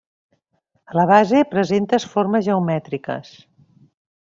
A la base presentes formes geomètriques.